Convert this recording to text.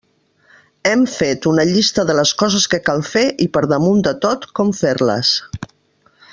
Hem fet una llista de les coses que cal fer, i per damunt de tot, com fer-les.